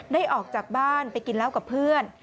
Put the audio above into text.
ออกจากบ้านไปกินเหล้ากับเพื่อน